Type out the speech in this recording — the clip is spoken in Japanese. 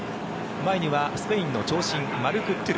前にはスペインの長身マルク・トゥル。